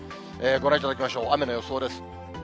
ご覧いただきましょう、雨の予想です。